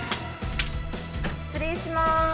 失礼します。